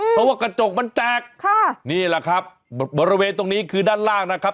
เพราะว่ากระจกมันแตกค่ะนี่แหละครับบริเวณตรงนี้คือด้านล่างนะครับ